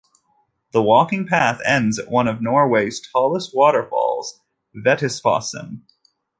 The walking path ends at one of Norway's tallest waterfalls, Vettisfossen.